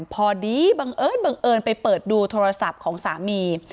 พอดีบังเอิญบังเอิญไปเปิดดูโทรศัพท์ของสามี